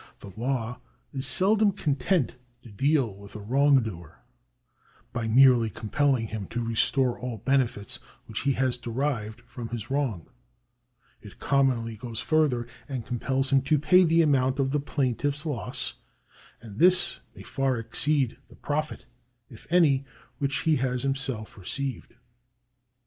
The law is seldom content to deal with a wrongdoer by merely compelling him to restore all benefits which he has derived from his wrong ; it commonly goes further, and compels him to pay the amount of the plaintiff's loss ; and this may far exceed the profit, if any, which he has himself received.